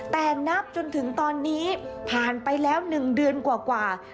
แต่นับจนถึงตอนนี้ผ่านไปแล้ว๑เดือนกว่า